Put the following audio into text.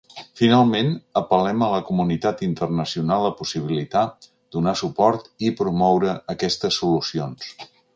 Finalment, apel·lem a la comunitat internacional a possibilitar, donar suport i promoure aquestes solucions.